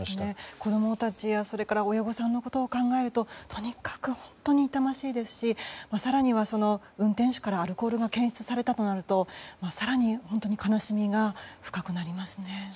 子供たちや親御さんのことを考えるととにかく痛ましいですし更には、運転手からアルコールが検出されたとなると更に悲しみが深くなりますね。